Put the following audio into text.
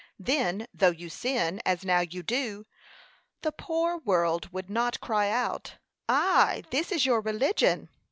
Then, though you sin, as now you do, the poor world would not cry out, Ay, this is your religion!